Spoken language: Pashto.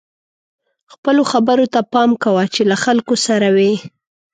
خپلو خبرو ته پام کوه چې له خلکو سره وئ.